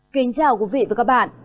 kính chào quý vị và các bạn